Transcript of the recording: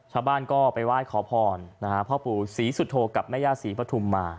ชาวบ้านก็ไปไหว้ขอพรพ่อปู่ศรีสุโธกับแม่ย่าศรีปฐุมมา